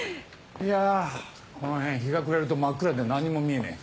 いやぁこの辺日が暮れると真っ暗で何にも見えねえ。